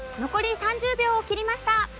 残り３０秒を切りました。